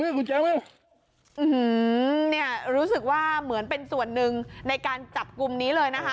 กุญแจไหมเนี่ยรู้สึกว่าเหมือนเป็นส่วนหนึ่งในการจับกลุ่มนี้เลยนะคะ